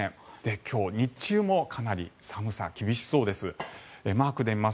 今日日中もかなり寒さが厳しそうです。